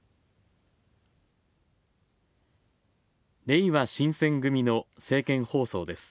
れいわ新選組の政見放送です。